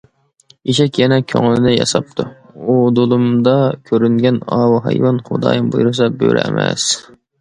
ئېشەك يەنە كۆڭلىنى ياساپتۇ:- ئۇدۇلۇمدا كۆرۈنگەن ئاۋۇ ھايۋان، خۇدايىم بۇيرۇسا بۆرە ئەمەس.